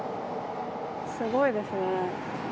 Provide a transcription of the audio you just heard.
すごいですね。